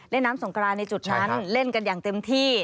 เล่นน้ำสงกรานในจุดนั้นเล่นกันอย่างเต็มที่